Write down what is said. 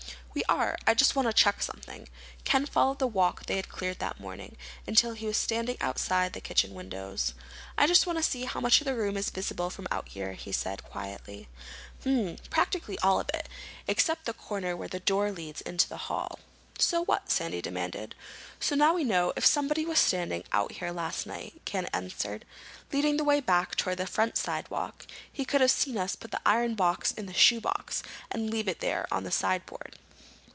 "We are. I just want to check something." Ken followed the walk they had cleared that morning, until he was standing outside the kitchen windows. "I just want to see how much of the room is visible from out here," he said quietly. "Hmm. Practically all of it, except the corner where the door leads into the hall." "So what?" Sandy demanded. "So now we know that if somebody was standing out here last night," Ken answered, leading the way back toward the front sidewalk, "he could have seen us put the iron box in the shoe box, and leave it there on the sideboard."